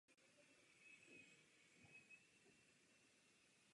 Je to jedna z největších pevností v Indii a opravdová dominanta města.